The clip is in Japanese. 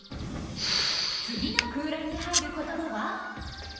次の空欄に入る言葉は？